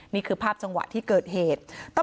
นี่คือภาพจังหวะที่เกิดเหตุ